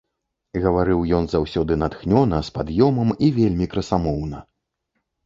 Гаварыў ён заўсёды натхнёна, з пад'ёмам і вельмі красамоўна.